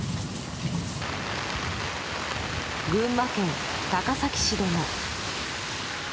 群馬県高崎市でも。